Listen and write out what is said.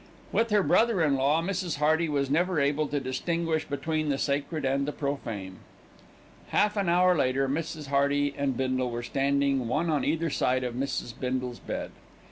With her brother in law, Mrs. Hearty was never able to distinguish between the sacred and the profane. Half an hour later, Mrs. Hearty and Bindle were standing one on either side of Mrs. Bindle's bed. Mrs.